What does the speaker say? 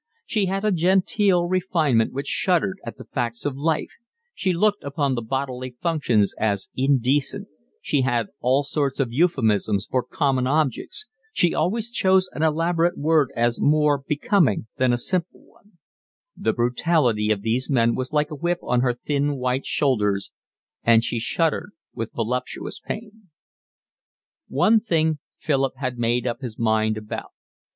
She had a genteel refinement which shuddered at the facts of life, she looked upon the bodily functions as indecent, she had all sorts of euphemisms for common objects, she always chose an elaborate word as more becoming than a simple one: the brutality of these men was like a whip on her thin white shoulders, and she shuddered with voluptuous pain. One thing Philip had made up his mind about.